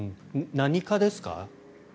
何科ですか？